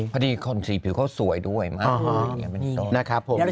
พอดีคนสีผิวเขาสวยด้วยมากเลย